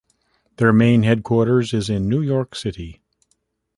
Their main headquarters is in New York City.